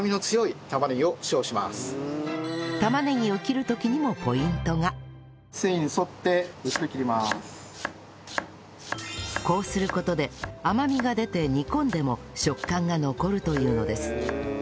玉ねぎをこうする事で甘みが出て煮込んでも食感が残るというのです